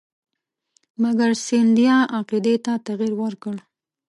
مګر سیندهیا عقیدې ته تغیر ورکړ.